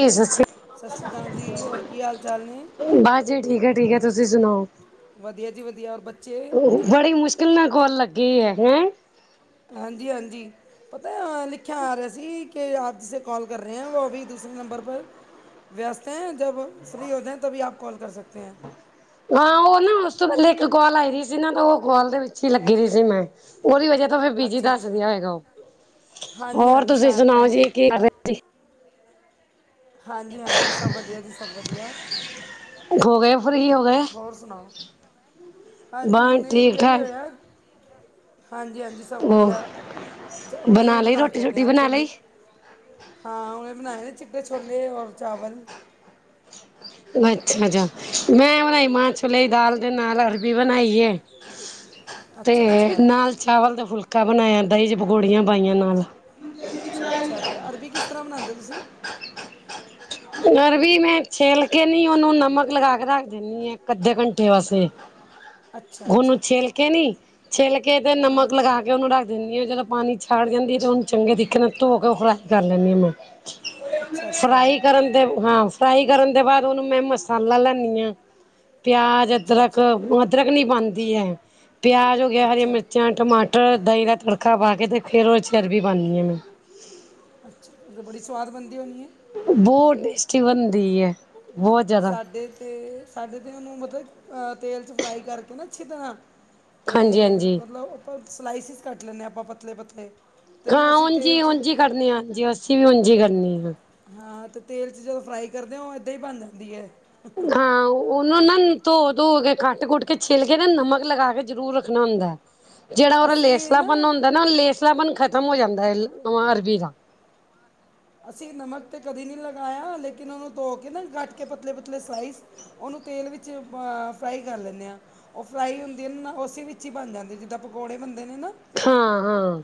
ਜੀ ਸਸ੍ਰੀ ਸਤਿ ਸ਼੍ਰੀ ਅਕਾਲ ਜੀ ਹੋਰ ਕੀ ਹਾਲ ਚਾਲ ਨੇ [unintelligible] ਬਸ ਜੀ ਠੀਕ ਏ- ਠੀਕ ਏ ਤੁਸੀਂ ਸੁਣਾਓ। ਵਧੀਆ ਜੀ -ਵਧੀਆ ਔਰ ਬੱਚੇ ਬੜੀ ਮੁਸ਼ਕਿਲ ਨਾਲ ਕੋਲ ਲੱਗੀ ਐ ਹ ਹਾਂਜੀ -ਹਾਂਜੀ ਪਤਾ ਅ ਲਿਖਿਆ ਆ ਰਿਹਾ ਸੀ ਕੇ ਆਪ ਜਿਸੇ ਕਾਲ ਕਰ ਰਹੇ ਹੈ ਉਹ ਅਭੀ ਦੂਸਰੇ ਨੰਬਰ ਪਰ ਵਿਅਸਤ ਐ ਜਬ ਫਰੀ ਹੋ ਜੇ ਤਬੀ ਆਪ ਕੋਲ ਕਰ ਸਕਤੇ ਹੈਂ। ਹਾਂ ਉਹ ਨਾ ਉਸ ਤੋਂ ਪਹਿਲੇ ਇੱਕ ਕੋਲ ਆ ਵੀ ਸੀ ਨਾ ਉਹ ਕੋਲ ਦੇ ਵਿੱਚ ਹੀ ਲੱਗੀ ਹੋਈ ਸੀ ਮੈਂ ਉਹਦੀ ਵਜ੍ਹਾ ਤਾਂ ਫਿਰ ਬੀਜੀ ਦੱਸਦਿਆ ਹੈਗਾ। ਹੋਰ ਤੁਸੀਂ ਸ਼ਾਇਦ ਤਾਂ ਸੁਣਾਓ ਹੀ ਹੋ ਜੀ ਕੀ ਹਾਲ ਹਾਂਜੀ -ਹਾਂਜੀ ਸਭ ਵਧੀਆ ਜੀ -ਸਭ ਵਧੀਆ ਸੀ ਹੋ ਗੇ ਫਰੀ ਹੁ ਹੋਰ ਸੁਣਾਓ, ਹਾਂਜੀ ਬਸ ਹੁਣੇ ਠੀਕ ਵਿਹਲੇ ਠਾਕ ਹੋਏ ਆ। ਹਾਂਜੀ -ਹਾਂਜੀ ਸਭ ਉਹ ਵਧੀਆ 'ਚ ਹੁਣੇ ਇਹ ਲਈ ਬਣਾ ਕੇ ਰੋਟੀ ਰੋਟੀ ਹੱਟਿਆ ਬਣਾ ਛੋਲੇ ਲਈ ਹਾਂ ਹੁਣੇ ਬਣਾਏ ਨ ਚਿੱਟੇ ਛੋਲੇ ਔਰ ਚਾਵਲ ਅੱਛਾ -ਅੱਛਾ ਮੈਂ ਬਣਾਈ ਮਾਂਹ ਛੋਲੇ ਦੀ ਦਾਲ ਦੇ ਨਾਲ ਅਰਬੀ ਬਣਾਈ ਏ। ਤੇ ਅੱਛਾ ਅੱਛਾ ਨਾਲ ਚਾਵਲ ਦਾ ਫੁਲਕਾ ਬਣਾਇਆ ਦਹੀਂ ਚ ਪਕੌੜੀਆਂ ਪਾਈਆਂ ਨਾਲ ਅੱਛਾ- ਅੱਛਾ ਤੇ ਅਰਬੀ ਕਿਸ ਤਰ੍ਹਾਂ ਬਣਾਦੇ ਓ ਤੁਸੀਂ? ਅਰਬੀ ਮੈਂ ਛਿਲ ਕੇ ਨੀ ਉਹਨੂੰ ਨਮਕ ਲਗਾ ਕੇ ਰੱਖ ਦਿੰਦੀ ਆ ਇੱਕ-ਅੱਧੇ ਘੰਟੇ ਵਾਸੇ ਅੱਛਾ ਉਹਨੂੰ ਅੱਛਾ ਛਿੱਲ ਕੇ ਨੀ ਛਿੱਲ ਕੇ ਤੇ ਨਮਕ ਲਗਾ ਕੇ ਉਹਨੂੰ ਰੱਖ ਦਿੰਦੀ ਆਂ, ਜਦੋਂ ਪਾਣੀ ਛੱਡ ਜਾਂਦੀ ਤੇ ਉਹ ਨੂੰ ਚੰਗੇ ਤਰੀਕੇ ਨਾਲ ਧੋ ਕੇ ਉਹ ਫਰਾਈ ਕਰ ਲੈਂਣੀ ਆ ਮੈਂ, ਅੱਛਾ ਅੱਛਾ ਫਰਾਈ ਅੱਛਾ ਕਰਨ ਦੇ ਹਾਂ, ਫਰਾਈ ਕਰਨ ਦੇ ਬਾਅਦ ਉਹਨੂੰ ਮੈਂ ਮਸਾਲਾ ਲਾਂਦੀ ਆ। ਪਿਆਜ, ਅੱਛਾ ਅਦਰਕ- ਅਦਰਕ ਨੀ ਪਾਦੀ ਅਅ ਪਿਆਜ ਹੋ ਗਿਆ ਹਰੀਆਂ ਅੱਛਾ ਮਿਰਚਾਂ, ਟਮਾਟਰ ਦਹੀਂ ਦਾ ਤੜਕਾ ਪਾ ਕੇ ਤੇ ਫੇਰ ਉਹ ਚ ਅਰਬੀ ਪਾਣੀ ਆ ਮੈਂ ਅੱਛ। ਬੜੀ ਸਵਾਦ ਬਣਦੀ ਹੋਣੀ ਏ। ਬੋਤ ਟੇਸਟੀ ਬਣਦੀ ਐ। ਸਾਡੇ ਤੇ ਸਾਡੇ ਤਾਂ ਉਹਨੂੰ ਮਤਲਬ ਤੇਲ 'ਚ ਫਰਾਈ ਕਰਕੇ ਨਾ ਅੱਛੀ ਤਰ੍ਹਾਂ ਤੇ ਹਾਂਜੀ ਹਾਂਜੀ ਮਤਲਬ ਤੇ ਸਲਾਈਸਿਸ ਕੱਟ ਲੈਂਦੇ ਆ ਆਪਾਂ ਪਤਲੇ -ਪਤਲੇ ਤੇ ਉਹਨੂੰ ਹਾਂ ਅਸੀਂ ਉਂਝ ਤੇਲ ਜੀ- 'ਚ ਉਝ ਜੀ ਕਰਨੇ ਆ ਹਾਂਜੀ ਅਸੀ ਵੀ ਉਝ ਜੀ ਕਰਨੇ ਆ ਫੇਰ ਹਾਂ ਤੇਲ 'ਚ ਜਦੋਂ ਫਰਾਈ ਕਰਦੇ ਹੋ ਉਹ ਇੱਦਾਂ ਹੀ ਬਣ ਜਾਂਦੀ ਅਅ। ਹਾਂ ਉਹਨੂੰ ਨਾ ਧੋ- ਧੋ ਕੇ ਕੱਟ-ਕੁੱਟ ਕੇ ਛਿਲ ਕੇ ਨਾ ਨਮਕ ਲਗਾ ਕੇ ਜ਼ਰੂਰ ਰੱਖਣਾ ਹੁੰਦਾ ਐ। ਜਿਹੜਾ ਉਹਦਾ ਲੇਸਲਾਪਨ ਹੁੰਦਾ ਨਾ ਲੇਸਲਾਪਨ ਖਤਮ ਹੋ ਜਾਂਦਾ ਓ ਅਰਬੀ ਦਾ ਅਸੀਂ ਨਮਕ ਤੇ ਕਦੀ ਨਹੀਂ ਲਗਾਇਆ ਲੇਕਿਨ ਉਹਨੂੰ ਧੋ ਕੇ ਨਾ ਕੱਟ ਕੇ ਪਤਲੇ -ਪਤਲੇ ਸਲਾਈਸ ਉਹਨੂੰ ਤੇਲ ਵਿੱਚ ਅਅ ਫਰਾਈ ਕਰ ਲੈਂਨੇ ਆ। ਓਹ ਫਰਾਈ ਹੁੰਦੀ ਏ ਨੇ ਨਾ ਉਸੇ ਵਿੱਚ ਹੀ ਬਣ ਜਾਂਦੀ ਜਿੱਦਾਂ ਪਕੌੜੇ ਬਣਦੇ ਨੇ ਨਾ ਹਾਂ -ਹਾਂ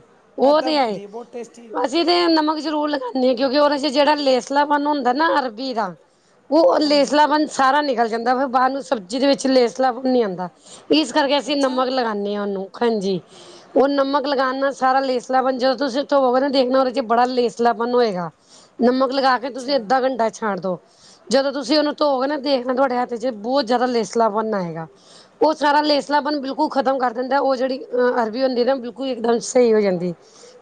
ਉਹ ਐਦਾਂ ਨੀ ਆਏ ਬਣਦੀ ਹੈ ਬਹੁਤ ਟੇਸਟੀ ਜੀ- ਜੀ ਨਮਕ ਜ਼ਰੂਰ ਲਗਾਦੇ ਆ ਕਿਉਂਕਿ ਉਹਦੇ 'ਚ ਜਿਹੜਾ ਲੇਸਲਾਪਨ ਹੁੰਦਾ ਨਾ ਅਰਬੀ ਦਾ ਓਹ ਹਾਂਜੀ ਲੇਸਲਾਪਨ ਸਾਰਾ ਨਿਕਲ ਜਾਂਦਾ ਫਿਰ ਬਾਦ ਨੂੰ ਸਬਜੀ ਦੇ ਵਿੱਚ ਲੇਸਲਾਪਨ ਨੀ ਆਂਦਾ। ਇਸ ਕਰਕੇ ਅਸੀਂ ਅੱਛਾ ਨਮਕ ਲਗਾਨੇ ਆਂ ਓਹਨੂੰ। ਹਾਂਜੀ, ਓਹ ਨਮਕ ਲਗਾਨ ਨਾਲ ਸਾਰਾ ਲੇਸ ਲਾਪਨ ਜਦੋਂ ਤੁਸੀਂ ਓਹ ਧੋਵੋਗੇ ਨਾ ਦੇਖਣਾ ਓਹਦੇ ਚ ਬੜਾ ਲੇਸਲਾਪਨ ਹੋਏਗਾ। ਨਮਕ ਲਗਾ ਕੇ ਤੁਸੀਂ ਅੱਛਾ ਅੱਦਾ ਘੰਟਾ ਛੱਡ ਦੋ। ਜਦੋਂ ਤੁਸੀਂ ਓਹਨੂੰ ਧੋਓਗੇ ਨਾ ਤੇ ਤੁਹਾਡੇ ਹੱਥ 'ਚ' ਬਹੁਤ ਜਿਆਦਾ ਲੇਸ ਲਾਪਨ ਆਏਗਾ। ਓਹ ਸਾਰਾ ਲੇਸਲਾਪਨ ਬਿਲਕੁਲ ਖ਼ਤਮ ਕਰ ਦੇਂਦੈ। ਉਹ ਜੇਹੜੀ ਅਰ ਵੀ ਹੁੰਦੀ ਨਾ ਬਿਲਕੁਲ ਇੱਕਦਮ ਸਹੀ ਹੋ ਜਾਂਦੀ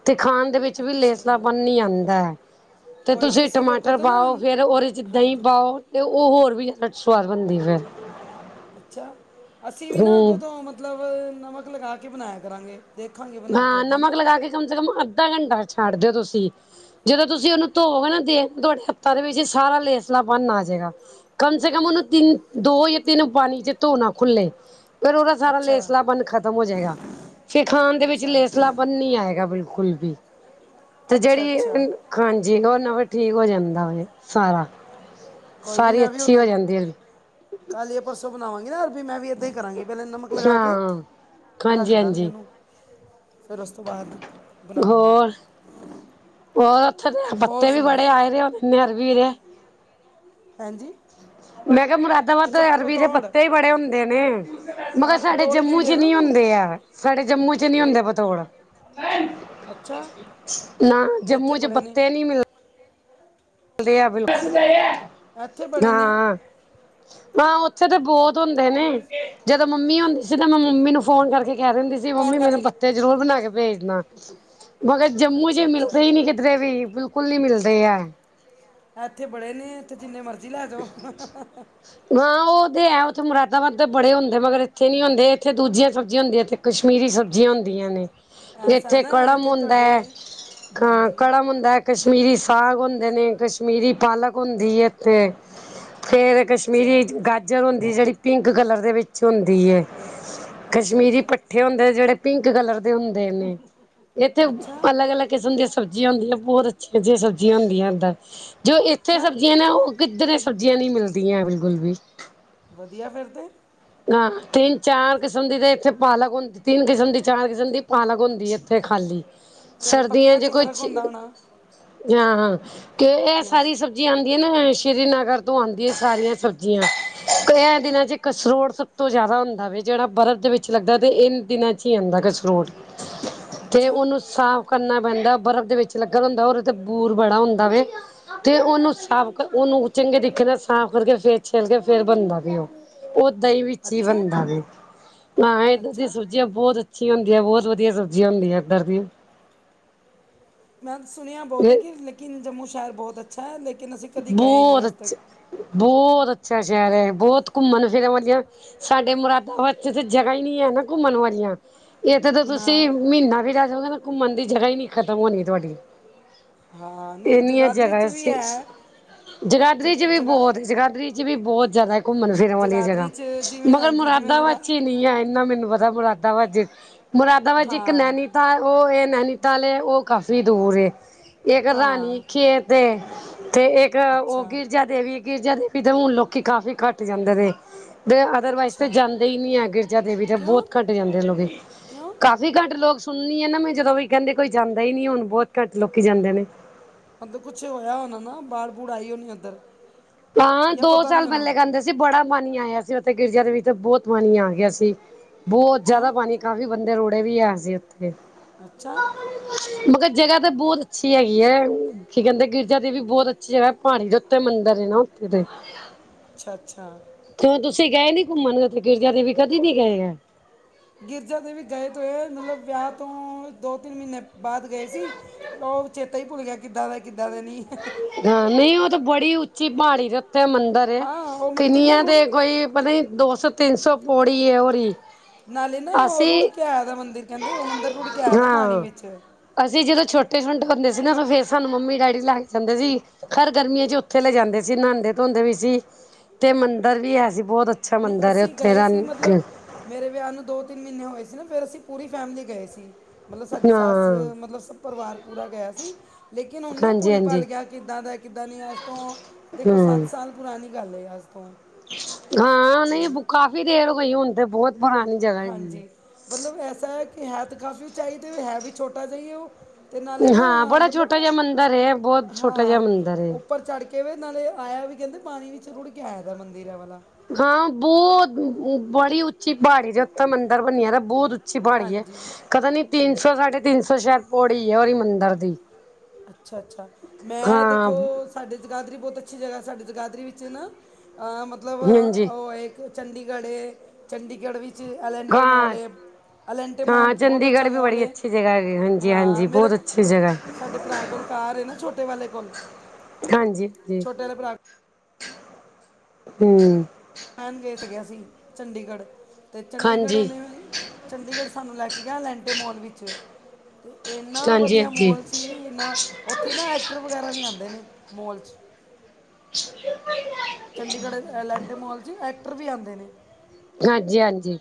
ਤੇ ਖਾਨ ਦੇ ਵਿੱਚ ਵੀ ਅੱਛਾ ਲੇਸਲਾਪਨ ਨਹੀ ਆਂਦਾ ਐ। ਤੇ ਕੋਈ ਨਹੀਂ ਤੁਸੀਂ ਅਸੀਂ ਵੀ ਅੱਗੋਂ ਟਮਾਟਰ ਤੋਂ ਨਾ ਪਾਓ ਫੇਰ ਉਹਦੇ 'ਚ ਦਹੀ ਹਾਂਜੀ ਪਾਓ? ਤੇ ਓਹ ਹੋਰ ਵੀ ਜਿਆਦਾ ਸਵਾਦ ਬਣਦੀ ਫੇਰ ਅੱਛਾ, ਅਸੀਂ ਵੀ ਨਾ ਅੱਗੋਂ ਹੂੰ ਤੋਂ ਮਤਲਬ ਨਮਕ ਲਗਾ ਕੇ ਬਣਾਇਆ ਕਰਾਂਗੇ। ਦੇਖਾਂਗੇ ਬਣਾ ਕੇ ਹਾਂ, ਐਦਾਂ ਨਾ ਨਮਕ ਲਗਾ ਕੇ ਕਮ ਸੇ ਕਮ ਅੱਧਾ ਘੰਟਾ ਛੱਡ ਦਿਓ ਤੁਸੀਂ। ਜਦੋਂ ਤੁਸੀਂ ਉਹਨੂੰ ਧੋਓਗੇ ਨਾ ਦੇਖ ਤੁਹਾਡੇ ਹੱਥਾਂ ਦੇ ਵਿੱਚ ਸਾਰਾ ਲੇਸਲਾਪਨ ਆਜੇਗਾ ਕਮ ਸੇ ਕਮ ਉਹਨੂੰ ਤਿੰਨ ਦੋ ਜਾਂ ਤਿੰਨ ਪਾਣੀ 'ਚ' ਧਰਨਾ, ਖੁੱਲ੍ਹੇ। ਫੇਰ ਓਹਦਾ ਸਾਰਾ ਅੱਛਾ ਲੇਸਲਾਪਨ ਖ਼ਤਮ ਹੋ ਜਾਏਗਾ। ਫੇਰ ਖਾਨ ਦੇ ਵਿੱਚ ਅੱਛਾ ਲੇਸਲਾ ਪਨ ਨੀਂ ਆਏਗਾ ਬਿਲਕੁਲ ਬੀ ਤੇ ਅੱਛਾ ਜਿਹੜੀ ਅੱਛਾ ਏ ਹਾਂਜੀ, ਓਹ ਨਾ ਫੇਰ ਠੀਕ ਹੋ ਜਾਂਦਾ ਵੇ, ਸਾਰਾ। ਕੋਈ ਨੀ ਸਾਰੀ ਮੈਂ ਵੀ ਅੱਛੀ ਹੁਨ ਹੋ ਜਾਂਦੀ ਹੈ ਕੱਲ ਯਾ ਪਰਸੋਂ ਬਨਾਵਾਂਗੀ ਨਾ ਅਰਬੀ, ਮੈਂ ਵੀ ਐਦਾਂ ਹੀ ਕਰਾਂਗੀ। ਪਹਿਲੇ ਨਮਕ ਲਗਾ ਕੇ ਹਾਂ, ਰੱਖ ਦਾਂਗੀ ਹਾਂਜੀ-ਹਾਂਜੀ ਓਹਨੂੰ ਫੇਰ ਉਸ ਤੋਂ ਬਾਅਦ ਬਣਾਵਾਂਗੀ ਹੋਰ, ਹੋਰ ਓਥੇ ਤੇ ਹੋਰ ਪੱਤੇ ਵੀ ਸੁਣਾ ਬੜੇ ਆਏ ਨੇ ਆਪਨੇ ਅਰਬੀ ਦੇ। ਹਾਂਜੀ ਮੈਂ ਕਿਆ ਮੁਰਾਦਾਬਾਦ ਅੱਛਾ ਤੇ ਅਰਬੀ ਦੇ ਪਤੌੜ ਪੱਤੇ ਈ ਬੜੇ ਹੁੰਦੇ ਨੇ। ਮਗਰ ਹਾਂ ਸਾਡੇ ਪਤੌੜ ਜੰਮੂ ਕਹਿੰਦੇ ਆ 'ਚ' ਨਾ ਨੀ ਉਹਨੂੰ ਹੁੰਦੇ ਆ, ਸਾਡੇ ਜੰਮੂ 'ਚ' ਨੀ ਹੁੰਦੇ ਪਤੋੜ। ਅੱਛਾ ਨਾ ਇੱਥੇ ਜੰਮੂ 'ਚ ਬੜੇ ਨੇ ਪੱਤੇ ਨੀ ਮਿਲਦੇ। ਕਲੇ ਐ ਬਿਲਕੁਲ, ਅੱਛਾ ਇੱਥੇ ਬੜੇ ਨੇ ਹਾਂ ਹਾਂ, ਉੱਥੇ ਤੇ ਬਹੁਤ ਹੁੰਦੇ ਨੇ, ਜਦੋਂ ਮੰਮੀ ਹੁੰਦੀ ਸ ਸੀ ਤੇ ਮੈਂ ਮੰਮੀ ਨੂੰ ਫੋਨ ਕਰਕੇ ਕੈ ਦਿੰਦੀ ਸੀ ਮੰਮੀ ਮੇਨੂੰ ਪੱਤੇ ਜਰੂਰ ਬਨਾ ਕੇ ਭੇਜਨਾ। ਮਗਰ ਜੰਮੂ 'ਚ ਅੱਛਾ ਮਿਲਦੇ ਅੱਛਾ ਈ ਨੀ ਕਿਧਰੇ ਵੀ, ਬਿਲਕੁਲ ਨੀ ਮਿਲਦੇ ਐ। ਐਥੇ ਬੜੇ ਨੇ, ਐਥੇ ਜਿੰਨੇ ਮਰਜ਼ੀ ਲੈ ਜਾਓ। ਹਾਂ, ਓਹ ਤੇ ਹੈ ਉੱਥੇ ਮੁਰਾਦਾਬਦ ਤੇ ਬੜੇ ਹੁੰਦੇ। ਮਗਰ ਇੱਥੇ ਨੀ ਹੁੰਦੇ। ਇੱਥੇ ਦੂਜੀਆਂ ਸਬਜੀਆਂ ਹੁੰਦੀਆਂ। ਕਸ਼ਮੀਰੀ ਸਬਜੀਆਂ ਹੁੰਦੀਆਂ ਨੇ। ਐਸਾ ਇੱਥੇ ਨਾ ਕੜਮ ਇੱਥੇ ਹੁੰਦੈ, ਤੁਹਾਡੇ ਹਾਂ, ਹਾਂਜੀ ਕੜਮ ਹੁੰਦੈ ਕਸ਼ਮੀਰੀ ਸਾਗ ਹੁੰਦੇ ਨੇ, ਕਸ਼ਮੀਰੀ ਪਾਲਕ ਹੁੰਦੀ ਏ ਇੱਥੇ ਫੇਰ ਅੱਛਾ ਕਸ਼ਮੀਰੀ ਗਾਜਰ ਹੁੰਦੀ ਜੇਹੜੀ ਪਿੰਕ ਕੱਲਰ ਦੇ ਵਿੱਚ ਹੁੰਦੀ ਏ। ਅੱਛਾ ਕਸ਼ਮੀਰੀ ਅੱਛਾ ਪੱਠੇ ਹੁੰਦੇ ਜੇਹੜੇ ਪਿੰਕ ਕਲਰ ਦੇ ਹੁੰਦੇ ਨੇ। ਏਥੇ ਅੱਛਾ ਅਲੱਗ-ਅਲੱਗ ਕਿਸਮ ਦੀਆਂ ਸਬਜੀਆਂ ਹੁੰਦੀਆਂ, ਬਹੁਤ ਅੱਛੀਆ-ਅੱਛੀਆਂ ਸਬਜੀਆਂ ਹੁੰਦੀਆਂ ਇੱਦਾਂ। ਜੋ ਇੱਥੇ ਅੱਛਾ ਸਬਜੀਆਂ ਨੇ ਉਹ ਕਿੱਧਰੇ ਸਬਜ਼ੀਆਂ ਨੀਂ ਮਿਲਦੀਆਂ, ਬਿਲਕੁਲ ਵੀ। ਵਦੀਆ ਫਿਰ ਤੇ। ਹਾਂ, ਤਿੰਨ-ਚਾਰ ਕਿਸਮ ਦੀ ਤੇ ਇੱਥੇ ਪਾਲਕ ਹੁੰਦੀ ਤਿੰਨ ਕਿਸਮ ਦੀ ਚਾਰ ਕਿਸਮ ਦੀ ਪਾਲਕ ਹੁੰਦੀ ਏ ਇੱਥੇ ਖਾਲੀ। ਫਿਰ ਸਰਦੀਆਂ ਪੱਤਿਆਂ ਚ ਕੋਈ ਫਰਕ ਚੀ ਹੁੰਦਾ ਹੋਣਾ ਹਾਂ-ਹਾਂ ਤੇ ਐਹ ਯੈਸ ਸਾਰੀ ਸਬ ਜੀਆਂ ਆਂਦੀਆਂ ਨਾ ਸ਼੍ਰੀਨਗਰ ਤੋਂ ਆਂਦੀਆਂ ਸਾਰੀਆਂ ਸਬਜੀਆਂ, ਕ ਐਹ ਦਿਨਾਂ ਚ ਕਸਰੋੜ ਸਬ ਤੋਂ ਜਿਆਦਾ ਹੁੰਦਾ ਵੇ ਜੇਹੜਾ ਬਰਫ਼ ਦੇ ਵਿੱਚ ਲੱਗਦਾ ਤੇ ਇਨ ਦਿਨਾਂ 'ਚ ਈ ਆਂਦੈ ਕਸਰੋੜ। ਤੇ ਅੱਛਾ ਓਹਨੂੰ ਸਾਫ਼ ਕਰਨਾ ਪੈਂਦੈ, ਬਰਫ਼ ਦੇ ਵਿੱਚ ਲੱਗਾ ਹੁੰਦਾ ਓਦੇ ਤੇ ਬੂਰ ਬੜਾ ਹੁੰਦਾ ਵੇ। [inaudible] ਤੇ ਓਹਨੂੰ ਸਾਫ ਕਰ ਓਹਨੂੰ ਚੰਗੇ ਤਰੀਕੇ ਨਾਲ ਸਾਫ ਕਰਕੇ ਫੇਰ ਛਿਲ ਕੇ ਫੇਰ ਬਣਦਾ ਵੇ ਓਹ ਦਈ ਵਿੱਚ ਈ ਅੱਛਾ ਬਣਦਾ ਵੇ ਹਾਂ ਏਧਰ ਦੀ ਅੱਛਾ ਸ ਬਜ਼ੀਆਂ ਬੋਤ ਅੱਛੀਆਂ ਹੁੰਦੀਆਂ ਬੋਤ ਵਧੀਆ ਸਬਜ਼ੀਆਂ ਹੁੰਦੀਆਂ ਕੱਰ ਦੀ। ਮੈਂ ਤਾਂ ਸੁਣਿਆ ਬੋਤ ਏ ਇਹ ਕਿ ਲੇਕਿਨ ਜੰਮੂ ਸੈ਼ਰ ਬੋਤ ਅੱਛਾ ਲੇਕਿਨ ਅਸੀਂ ਕਦੀ ਗਏ ਨੀ ਅੱਜ ਤੱਕ। ਬੋਹਤ ਅੱਛਾ ਸ਼ੈਰ ਐ ਬੋਹਤ ਕੁੰਮਣ ਨੂੰ ਜਗਹ ਵਧੀਆਂ ਸਾਡੇ ਮੁਰਾਦਾਬਾਦ ਚ ਜਗ੍ਹਾ ਈ ਨੀ ਐ ਨਾ ਕੁੰਮਣ ਵਾਲੀਆਂ। ਇਥੇ ਤਾਂ ਨਾ ਤੁਸੀਂ ਮੀਨਾ ਵੀ ਰੈ ਜੋਗੇ ਨਾਂ ਕੁੰਮਣ ਦੀ ਜਗ੍ਹਾ ਈ ਨੀ ਖ਼ਤਮ ਹੋਣੀ ਤੁਆਡੀਆਂ। ਹਾਂ ਨਹੀਂ ਏਨੀਆਂ ਜਗਾਦਰੀ ਚ ਜਗ੍ਹਾ ਵੀ ਸੀ। ਹੈ ਜਗਾਧਰੀ ਚ ਜਗ- ਵੀ ਜਗਾ ਬੋਤ ਜਗਾਧਰੀ ਚ ਵੀ ਬੇਤ ਜਾਦਾ‌‌ ਐ ਕੁੰਮਣ- ਫਿਰਨ ਵਾਲੀਆਂ ਜਗਾਦਰੀ ਜਗ੍ਹਾ। ਚ ਜਿਵੇਂ ਮਗਰ ਹਾਂਜੀ ਜਿਵੇਂ ਜਗਾ ਮੁਰਾਦਾਬਾਦ ਚ ਨਈ ਐ ਇਨਾ ਮੈਨੂੰ ਪਤਾ ਮੁਰਾਦਾਬਾਦ ਚ ਮੁਰਾਦਾਬਾਦ ਚ ਇੱਕ ਹਾਂ ਨੈਨੀ ਤਾਂ ਓ ਏ ਨੈਨੀਤਾਲ ਏ ਓ ਕਾਫ਼ੀ ਦੂਰ ਏ ਇੱਕ ਰਾਣੀ ਹਾਂ ਖੇਤ ਏ ਤੇ ਇੱਕ ਓ ਅੱਛਾ ਗਿਰਜਾ ਦੇਵੀ ਗਿਰਜਾ ਦੇਵੀ ਤੇ ਹੁਣ ਲੋਕੀ ਕਾਫੀ ਕੱਟ ਜਾਂਦੇ ਨੇ। ਤੇ ਅਦਰਵਾਈਜ਼ ਤੇ ਅੱਛਾ ਜਾਂਦੇ ਈ ਨੀ ਐ ਗਿਰਜਾ ਦੇਵੀ ਤੇ ਬੋਤ ਕਿਉਂ ਘੱਟ ਜਾਂਦੇ ਨੇ ਲੋਕੀ, ਕਿਉਂ ਕਾ ਵੀ ਘੱਟ ਲੋਕ ਸੁਣਨੀ ਆ ਨਾ ਮੈ ਜਦੋਂ ਵੀ ਕੈਂਦੇ ਕੋਈ ਜਾਂਦਾ ਈ ਨਈ ਹੁਣ ਬੋਤ ਘੱਟ ਲੋਕੀ ਜਾਂਦੇ ਨੇ। ਮਤਲਬ ਕੁੱਛ ਹੋਇਆ ਹੋਣਾ ਨਾ ਬਾੜ-ਬੂੜ ਆਈ ਹੋਣੀ ਓਧਰ ਹਾਂ ਦੋ ਸਾਲ ਪੈਲੇ ਕੈਂਦੇ ਸ ਸੀ ਬੜਾ ਪਾਨੀ ਆਯਾ ਸੀ ਓਥੇ ਗਿਰਜਾ ਦੇ ਵਿਚ ਬੋਹਤ ਪਾਨੀ ਆ ਗਿਆ ਸੀ ਬੋਹਤ ਅੱਛਾ ਜਾਦਾ ਪਾਨੀ ਕਾਫੀ ਬੰਦੇ ਰੁੜੇ ਵੀ ਐ ਸੀ ਓਥੇ। ਅੱਛਾ। ਮਗਰ ਜਗ੍ਹਾ ਤੇ ਬੋਤ ਅੱਛੀ ਹੈਗੀ ਐਂ। ਕੀ ਕੈਂਦੇ ਗਿਰਜਾ ਦੇਵੀ ਬੋਹਤ ਅੱਛੀ ਜਗ੍ਹਾ ਪਾੜੀ ਦੇ ਉੱਤੇ ਮੰਦਰ ਏ ਨਾ ਓਥੇ ਤੇ ਅੱਛਾ-ਅੱਛਾ। ਕਿਉ ਤੁਸੀਂ ਗਏ ਨੀ ਕੁੰਮਣ ਓਥੇ ਗਿਰਜਾ ਦੇਵੀ ਕਦੀ ਨੀ ਗਏ ਐ। ਗਿਰਜਾ ਦੇਵੀ ਗਏ ਤੇ ਹੋਏ ਐ ਮਤਲਬ ਵਿਆਹ ਤੋਂ ਦੋ-ਤਿੰਨ ਮੀਨੇ ਬਾਅਦ ਗਏ ਸੀ ਓ ਚੇਤਾ ਈ‌ ਪੁਲ ਗਯਾ ਕਿੱਦਾਂ ਦਾ ਕਿੱਦਾਂ ਦਾ ਨੀ ਐ। ਹਾਂ ਨਈ ਓ ਤੇ ਬੜੀ ਉੱਚੀ ਪਾੜੀ ਤੇ ਤੇ ਮੰਦਰ ਏ ਹਾਂ ਉਹ ਮੰਦਿਰ ਨਾ ਕਿੰਨੀਆਂ ਰੁੜ ਤੇ ਕੋਈ ਪਤਾ ਨੀ ਦੋ ਸੌ-ਤਿੰਨ ਸੌ ਪੌੜੀ ਏ ਓਰੀ। ਨਾਲੇ ਨਾ ਓ ਰੁੜ ਕੇ ਆਯਾ ਦਾ ਮੰਦਿਰ ਕੈਂਦੇ ਓ ਮੰਦਿਰ ਰੁੜ ਕੇ ਆਯਾ ਦਾ ਪਾਨੀ ਹਾਂ ਵਿੱਚ ਅਸੀਂ ਜਦੋਂ ਛੋਟੇ-ਛੋਟੇ ਹੁੰਦੇ ਸੀ ਨਾ ਤਾਂ ਫੇਰ ਸਾਨੂੰ ਮੰਮੀ-ਡੈਡੀ ਲੈ ਜਾਂਦੇ ਸੀ ਹਰ ਗਰਮੀਆਂ ਚ ਓਥੇ ਲਜਾਂਦੇ ਸੀ ਨਾਦੇ-ਧੋਂਦੇ ਵੀ ਸੀ ਤੇ ਮੰਦਰ ਵੀ ਐ ਸੀ ਬੋਹਤ ਅੱਛਾ ਨਹੀਂ ਮੰਦਰ ਏ ਅਸੀਂ ਓੱਥੇ ਗਏ ਦਾ ਸੀ ਇੱਕ ਮਤਲਬ ਮੇਰੇ ਵਿਆਹ ਨੂੰ ਦੋ-ਤਿੰਨ ਮੀਨੇ ਹੋਏ ਸੀ ਨਾ ਫੇਰ ਅਸੀਂ ਪੂਰੀ ਫੈਮਿਲੀ ਗਏ ਸੀ। ਮਤਲਬ ਸਾਡੀ ਹਾਂ। ਸੱਸ ਮਤਲਬ ਸ ਪਰਿਵਾਰ ਪੂਰਾ ਗਯਾ ਸੀ ਲੇਕਿਨ ਹੁਣ ਨਾ ਹਾਂਜੀ-ਹਾਂਜੀ ਪੁੱਲ-ਪੱਲ ਗਯਾ ਕਿੱਦਾਂ ਦਾ ਐ ਕਿੱਦਾਂ ਦਾ ਨੀ ਅੱਜ ਤੋਂ ਦੇਖੋ ਹੂੰ ਸੱਤ ਸਾਲ ਪੁਰਾਣੀ ਗੱਲ ਏ ਅੱਜ ਤੋਂ ਹਾਂ ਨਈ ਤੇ ਕਾਫ਼ੀ ਦੇਰ ਹੋਈ ਹੁਣ ਤੇ ਬੋਹਤ ਪੁਰਾਣੀ ਜਗ੍ਹਾ ਹੈਗੀ ਏ। ਹਾਂਜੀ ਮਤਲਬ ਐਸਾ ਐ ਕਿ ਹੈ ਤਾਂ ਕਾਫੀ ਉਚਾਈ ਤੇ ਹੈ ਵੀ ਛੋਟਾ ਜਾ ਈ ਏ ਓ ਤੇ ਨਾਲੇ ਨਾ ਹਾਂ ਬੜਾ ਮਤਲਬ ਛੋਟਾ ਜਿਹਾ ਮੰਦਿਰ ਹੈ ਬਹੁਤ ਛੋਟਾ ਜਿਹਾ ਹਾਂ ਮੰਦਿਰ ਹੈ। ਉਪਰ ਚੜ੍ਹ ਕੇ ਵੇ ਨਾਲੇ ਆਯਾ ਵੀ ਕੈਂਦੇ ਪਾਨੀ ਵਿੱਚ ਰੁੜ ਕੇ ਆਯਾ ਦਾ ਮੰਦਿਰ ਐ ਵਾਲਾ। ਹਾਂ ਬੋਤ ਬੜੀ ਉੱਚੀ ਪਾੜੀ ਦੇ ਉੱਤੇ ਮੰਦਿਰ ਬਣਿਆ ਦਾ ਬੋਤ ਉਂ ਚੀ ਪਾੜੀ ਏ ਹਾਂਜੀ ਪਤਾ ਨੀ ਤਿੰਨ ਸੌ-ਸਾਢੇ ਤਿੰਨ ਸੌ ਸੈ਼ਦ ਪੌੜੀ ਐ ਓਰੀ ਮੰਦਰ ਦੀ, ਅੱਛਾ ਅੱਛਾ ਮੈਂ ਹਾਂ। ਦੇਖੋ ਸਾਡੇ ਜਗਾਦਰੀ ਬੋਤ ਅੱਛੀ ਜਗ੍ਹਾ ਸਾਡੇ ਜਗਾਧਰੀ ਵਿੱਚ ਨਾ ਅ ਮਤਲਬ ਹਾਂਜੀ ਓ ਏ ਚੰਡੀਗੜ੍ਹ ਏ ਚੰਡੀਗੜ੍ਹ ਵੀ ਚ ਐਲੰਟੇ ਮੋਲ ਹਾਂ ਏ ਐਲੰਟੇ ਮੋਲ ਹਾਂ ਬੋਹਤ ਅੱਛਾ ਚੰਡੀਗੜ੍ਹ ਮੋਲ ਏ ਹਾਂਜੀ ਹਾਂ ਹਾਂਜੀ ਮੇਰੇ ਸਾਡੇ ਭਰਾ ਕੋਲ ਕਾਰ ਏ ਨਾ ਛੋਟੇ ਵਾਲੇ ਕੋਲ। ਹਾਂਜੀ ਜੀ, ਛੋਟੇ ਵਾਲੇ ਭਰਾ ਹੂੰ। ਮੈਨ ਗੇਟ ਤੇ ਗਿਆ ਸੀ ਚੰਡੀਗੜ, ਤੇ ਚੰਡੀਗੜ ਹਾਂਜੀ ਉਹਨੂੰ ਚੰਡੀਗੜ ਸਾਨੂੰ ਲੈ ਕੇ ਗਿਆ ਅਲਾਂਟੇ ਮੋਲ ਵਿੱਚ। ਇਨਾ ਹਾਂਜੀ ਵਧੀਆ ਹਾਂਜੀ ਮੋਲ ਸੀ ਇਨਾ। ਉੱਥੇ ਨਾ ਐਕਟਰ ਵਗੈਰਾ ਵੀ ਆਉਂਦੇ ਨੇ ਮੋਲ 'ਚ, [unintelligible] ਚੰਡੀਗੜ ਅਲੇਂਟੇ ਮੋਲ 'ਚ ਐਕਟਰ ਵੀ ਆਉਂਦੇ ਨੇ। ਹਾਂਜੀ- ਹਾਂਜੀ।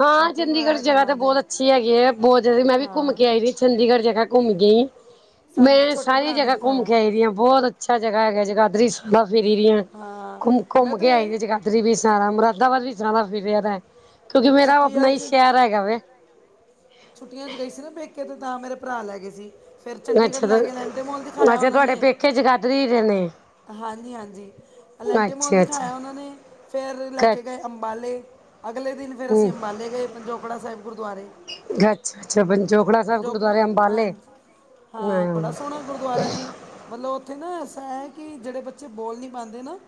ਹਾਂ ਸ਼ਾਪਿੰਗ ਚੰਡੀਗੜ ਵਗੈਰਾ ਕਰਨ ਜਗਾ ਤਾਂ ਆਉਂਦੇ ਬਹੁਤ ਨੇ ਅੱਛੀ ਹੈਗੀ ਹੈ ਬਹੁਤ ਜ਼ਿਆਦਾ ਮੈਂ ਵੀ ਘੁੰਮ ਹਾਂ ਕੇ ਆਈ ਵੀ ਚੰਡੀਗੜ ਜਗਾ। ਘੁੰਮਗੀ ਸਾਨੂੰ ਤਾਂ ਮੈਂ ਛੋਟੇ ਸਾਰੀ ਭਰਾ ਨੇ ਜਗਾ ਘੁੰਮ ਦਿਖਾਇਆ ਕੇ ਆਈ ਵੀ ਆ ਹਾਂ ਬੋਤ ਅੱਛਾ ਜਗਾਾ ਹੈਗਾ ਜਗਾਦਰੀ ਸੈ ਫਿਰੀ ਦੀਆਂ ਹਾਂ ਘੁੰਮ- ਮੈਂ ਘੁੰਮ ਤੇ ਕੇ ਆਈ ਵੀ ਆ ਜਗਾ। ਰੀ ਵੀ ਸਾਰਾ ਮੁਰਾਦਾਬਾਦ ਵੀ ਸਾਰਾ ਫੀਰੇਆ ਪੇਆ ਹੈ, ਕਿਉਂਕਿ ਮੇਰਾ ਉਹ ਆਪਣਾ ਛੁੱਟੀਆਂ ਹੀ 'ਚ ਸ਼ਹਿਰ ਹੈਗਾ ਵੇ। ਛੁੱਟੀਆਂ ਚ ਗਈ ਸੀ ਨਾ ਪੇਕੇ ਤੇ ਤਾਂ ਮੇਰੇ ਭਰਾ ਲੈ ਗਏ ਸੀ। ਫੇਰ ਚੰਡੀਗੜ ਲੈ ਅੱਛਾ ਗੇ ਅਲੈਂਟੇ ਮੋਲ ਦਿਖਾਇਆ ਅੱਛਾ ਉਹਨਾਂ ਤੁਹਾਡੇ ਨੇ। ਪੇਕੇ ਜਗਾਦਰੀ ਦੇ ਨੇ ਹਾਂਜੀ- ਹਾਂਜੀ ਅਲੈਂਟਮ ਮੋਲ ਅੱਛਾ ਅੱਛਾ ਦਿਖਾਇਆ ਉਹਨਾਂ ਨੇ ਫੇਰ ਕ ਲੈ ਕੇ ਗਏ। ਅੰਬਾਲੇ ਅਗਲੇ ਦਿਨ ਫੇਰ ਅਸੀਂ ਹਮ ਅੰਬਾਲੇ ਗਏ ਪੰਜੋਕੜਾ ਸਾਹਿਬ ਗੁਰਦੁਆਰੇ। ਗੱਚ ਅੱਛਾ ਪੰਚੋਖੜਾ ਸਾਹਿਬ ਪੰਜੋਕੜਾ ਗੁਰਦੁਆਰੇ ਅੰਬਾਲੇ। ਹਾਂਜੀ ਹਾਂ ਬੜਾ ਹਮ, ਸੋਹਣਾ ਗੁਰਦੁਆਰਾ ਜੀ। ਮਤਲਬ ਉੱਥੇ ਨਾ ਐਸਾ ਹੈ ਕੀ ਜਿਹੜੇ ਬੱਚੇ ਬੋਲ ਨੀ ਪਾਉਂਦੇ ਨਾ,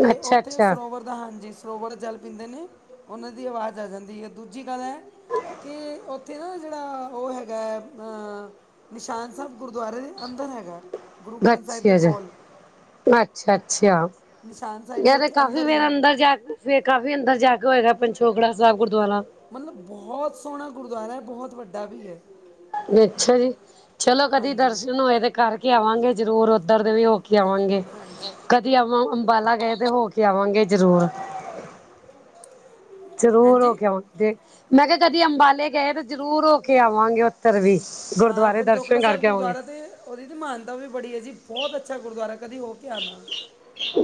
ਤੇ ਅੱਛਾ ਉੱਥੇ ਅੱਛਾ ਸਰੋਵਰ ਹਾਂਜੀ ਸਰੋਵਰ ਜਲ ਪੀਂਦੇ ਨੇ ਉਹਨਾਂ ਦੀ ਆਵਾਜ਼ ਆ ਜਾਂਦੀ ਹੈ, ਦੂਜੀ ਗੱਲ ਏ ਹੈ ਕਿ ਉੱਥੇ ਨਾ ਜਿਹੜਾ ਉਹ ਹੈਗਾ ਓਹ। ਨਿਸ਼ਾਨ ਸਾਹਿਬ ਗੁਰਦੁਆਰੇ ਦੇ ਅੰਦਰ ਹੈਗਾ ਏ, ਗੁਰੂ ਗ੍ਰੰਥ ਸਾਹਿਬ ਦੇ ਕੋਲ। ਤੇ ਅੱਛਾ- ਅੱਛਾ ਨਿਸ਼ਾਨ ਸਾਹਿਬ ਮੈ ਵੀ ਤੇ ਉੱਥੇ ਕਾਫ਼ੀ ਹੀ ਵਾਰ ਹੈ ਅੰਦਰ ਜਾ ਕੇ ਫੇਰ ਕਾਫੀ ਅੰਦਰ ਜਾ ਕੇ ਹੋਹੇਗਾ ਪੰਚੋਕੜਾ ਸਾਹਿਬ ਗੁਰਦੁਆਰਾ। ਮਤਲਬ ਬਹੋਤ ਸੋਹਣਾ ਗੁਰਦੁਆਰਾ ਹੈ ਬਹੁਤ ਵੱਡਾ ਵੀ ਹੈ। ਅੱਛਾ ਜੀ। ਚਲੋ ਕਦੀ ਹਾਂਜੀ ਦਰਸ਼ਨ ਹੋਏ ਤੇ ਕਰਕੇ ਆਵਾਂਗੇ ਜ਼ਰੂਰ ਉੱਧਰ ਦੇ ਵੀ ਹੋ ਕੇ ਆਵਾਂਗੇ ਕ ਹਾਂਜੀ ਕਦੀ ਆਵਾਂ ਅੰਬਾਲਾ ਗਏ ਤੇ ਹੋ ਕੇ ਆਵਾਂਗੇ ਜ਼ਰੂਰ। [inaudible] ਜ਼ਰੂਰ ਹੋ ਹਾਂਜੀ ਕੇ ਆਵਾਂਗੇ ਦੇ, ਮੈਂ ਕਿਹਾ ਕਦੀ ਅੰਬਾਲੇ ਗਏ ਤੇ ਜ਼ਰੂਰ ਹੋ ਕੇ ਆਵਾਂਗੇ ਉੱਤਰ ਵੀ। ਹਾਂ ਗੁਰਦੁਆਰੇ ਦਰਸ਼ਨ ਪੰਜੋਕੜਾ ਸਾਹਿਬ ਕਰਕੇ ਆਵਾਂਗੇ ਗੁਰਦੁਆਰਾ 'ਤੇ ਉਹਦੀ ਦੀ ਮਹਾਨਤਾ ਵੀ ਬੜੀ ਹੈ ਜੀ ਬਹੋਤ ਅੱਛਾ ਗੁਰਦੁਆਰਾ ਕਦੇ ਹੋ ਕੇ ਆ ਨਾ।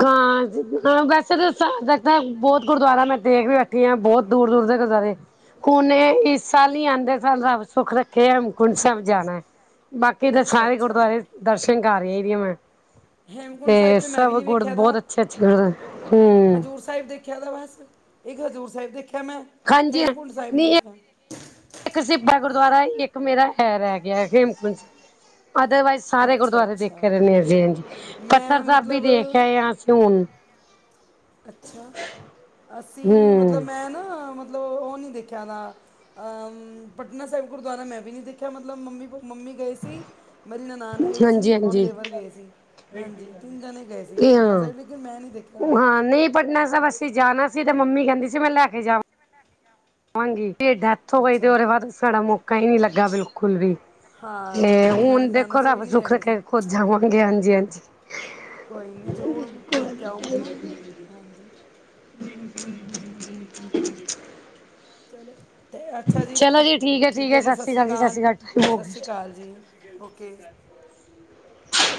ਹਾਂ ਵੈਸੇ ਤਾਂ ਚਲ ਬਾ ਸਾ ਬੋਹਤ ਗੁਰਦੁਆਰਾ ਮੈਂ ਦੇਖ ਲਿਆ। ਠੀਆਂ ਬਹੋਤ ਦੂਰ- ਦੂਰ ਤੱਕ ਗੁਰੂਦਵਾਰੇ। ਨੇ ਇਸ ਸਾਲ ਨੀ ਆਂਦੇ ਸਨ ਰੱਬ ਸੁੱਖ ਰੱਖੇ ਹੇਮਕੁੰਟ ਸਾਹਿਬ ਜਾਣਾ ਐ। ਬਾਕੀ ਦੇ ਅੱਛਾ ਸਾਰੇ ਅੱਛਾ ਗੁਰਦੁਆਰੇ ਦਰਸ਼ਨ ਕਰ ਰਹੀ ਹੈ ਜੀ ਮੈਂ। ਹੇਮਕੁੰਡ ਸਾਹਿਬ ਤੇ ਮੈਂ ਵੀ ਸਭ ਨੀ ਗੁਰ ਵੇਖਿਆ ਬਹੁਤ ਹੈਗਾ। ਅੱਛੇ ਅੱਛੇ ਗੁਰਦੁਆਰੇ ਹੂੰ ਹਜ਼ੂਰ ਸਾਹਿਬ ਦੇਖਿਆ ਵਾ ਬਸ, ਇੱਕ ਹਜ਼ੂਰ ਸਾਹਿਬ ਦੇਖਿਆ ਮੈਂ। ਹਾਂਜੀ, ਹ ਹੇਮਕੁੰਡ ਸਾਹਿਬ ਨਹੀਂ ਨੀ ਵੇਖਿਆ ਇੱਕ ਸਿੱਬਾ ਗੁਰਦੁਆਰਾ ਇੱਕ ਮੇਰਾ ਐ ਰਹਿ ਗਿਆ ਹੇਮਕੁੰਡ ਸਾਹਿਬ ਅਦਰਵਾਈਜ਼ ਸਾਰੇ ਅੱਛਾ ਗੁਰਦੁਆਰੇ ਦੇਖੇ ਅੱਛਾ ਰਹੇ ਨੇ ਹਾਂਜੀ ਛੱਥਰ ਮੈਂ ਸਾਹਿਬ ਵੀ ਦੇਖਿ ਮਤਲਬ ਆਏ ਆ ਅਸੀਂ ਹੁਣ। ਅੱਛਾ, ਅਸੀਂ ਮਤਲਬ ਹੂੰ ਮੈਂ ਨਾ ਮਤਲਬ ਉਹ ਨੀ ਦੇਖਿਆ ਨਾ। ਪਟਨਾ ਸਾਹਿਬ ਗੁਰਦੁਆਰਾ ਮੈਂ ਵੀ ਨਹੀਂ ਦੇਖਿਆ ਮਤਲਬ ਮੰਮੀ-ਮੰਮੀ ਗਏ ਸੀ ਮੇਰੀ ਨਨਾਣ ਗਈ ਹਾਂਜੀ ਸੀ ਔਰ ਹਾਂਜੀ ਦੇਵਰ ਗਏ ਸੀ। ਹਾਂਜੀ, ਤਿੰਨ ਜਣੇ ਗਏ ਸੀ ਇਹ ਪਟਨਾ ਹਾਂ ਸਾਹਿਬ ਲੇਕਿਨ ਮੈਂ ਨੀ ਦੇਖਿਆ। ਹਾਂ ਨਹੀਂ ਪਟਨਾ ਸੈਬ ਅਸੀਂ ਜਾਨਾ ਸੀ ਤੇ ਮੰਮੀ ਕੈਂਦੀ ਸੀ ਮੈਂ ਲੈ ਕੇ ਜਾਵ ਵਾਂਗੀ, ਤੇ ਡੈਥ ਹੋ ਗਈ ਤੇ ਅੱਛਾ ਓਦੇ ਬਾਅਦ ਸਾਡਾ ਮੌਕਾ ਈ ਨੀ ਲੱਗਾ ਬਿਲਕੁਲ ਵੀ। ਹਾਂ ਤੇ ਜਿਨ੍ਹਾਂ ਨੇ ਹੁਨ ਜਾਣਾ ਦੇਖੋ ਸੀ ਉਹ ਹੀ ਰੱਬ ਨਹੀਂ ਰਹਿ ਸੁੱਖ ਗਏ ਸੀ ਰੱਖੇ ਖੁਦ ਜਾਵਾਂਗੇ, ਹਾਂਜੀ- ਹਾਂਜੀ। ਕੋਈ ਨੀ ਜ਼ਰੂਰ ਟੇਕ ਕੇ ਆਓ ਮੱਥਾ। ਹਾਂਜੀ। ਚਲੋ, ਤੇ ਅੱਛਾ ਜੀ ਤੇ ਚਲੋ ਹੈ ਠੀਕ ਏ ਹੈ ਜੀ ਸਤਿ ਸ਼੍ਰੀ ਅਕਾਲ ਸਤਿ ਸਸ੍ਰੀਕਾਲ, ਸ਼੍ਰੀ ਅਕਾਲ ਟਾਈਮ ਹੋ ਗਿਆ ਸਸ਼ੀਕਾਲ ਜੀ। ਓਕੇ।